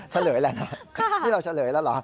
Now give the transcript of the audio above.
เฉลยแล้วนะนี่เราเฉลยแล้วเหรอ